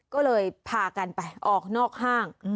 ก็เลยพากันไปออกนอกห้าง